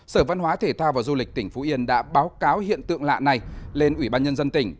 sở văn hóa thể thao và du lịch tỉnh phú yên đã báo cáo hiện tượng lạ này lên ủy ban nhân dân tỉnh